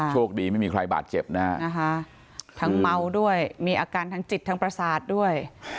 โชคดีไม่มีใครบาดเจ็บนะฮะทั้งเมาด้วยมีอาการทางจิตทางประสาทด้วย